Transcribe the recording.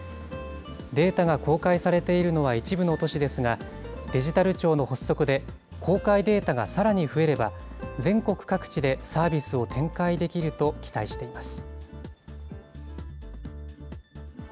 データが公開されているのは一部の都市ですが、デジタル庁の発足で公開データがさらに増えれば、全国各地でサービスを展開できると期待しています。